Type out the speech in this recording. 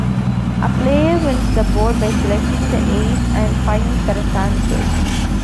A player wins the board by selecting the eighth and final correct answer.